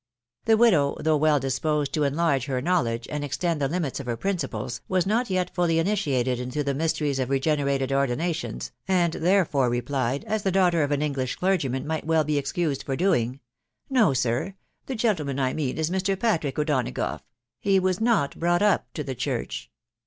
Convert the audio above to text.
The widow, though well disposed to enlarge her know ledge, and extend the limits of her principles, was not yet fully initiated into the mysteries of regenerated ordinations, and therefore replied, as the daughter of an English clergy* man might well be excused for doing —" No, sir .... the gentleman I mean is Mr. Patrick O'Donagough ; he 'was not brought up to the church."